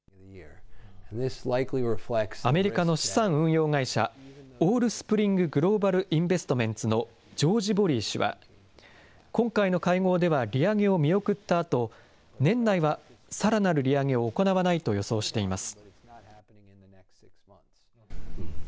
アメリカの資産運用会社、オールスプリング・グローバル・インベストメンツのジョージ・ボリー氏は、今回の会合では利上げを見送ったあと、年内はさらなる利上げを行わないと予想しています。